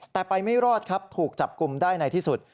แต่ไปไม่รอดครับถูกจับกลุ่มได้ในที่สุด